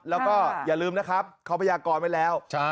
แล้วก็อย่าลืมนะครับเขาพยากรไว้แล้ว